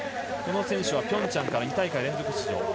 この選手はピョンチャンから２大会連続出場。